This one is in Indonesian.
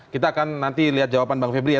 kita akan nanti lihat jawaban bang febridiasa